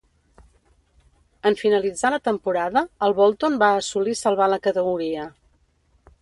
En finalitzar la temporada, el Bolton va assolir salvar la categoria.